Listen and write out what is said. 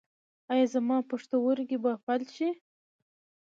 ایا زما پښتورګي به فلج شي؟